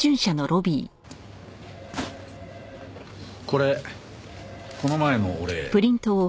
これこの前のお礼。